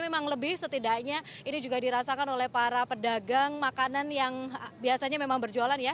memang lebih setidaknya ini juga dirasakan oleh para pedagang makanan yang biasanya memang berjualan ya